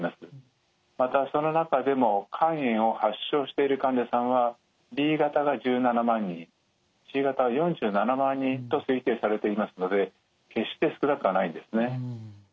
またその中でも肝炎を発症している患者さんはＢ型が１７万人Ｃ型が４７万人と推定されていますので決して少なくはないんですね。